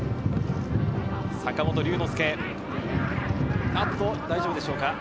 坂本龍之介、大丈夫でしょうか？